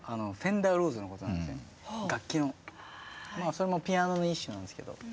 それもピアノの一種なんですけど。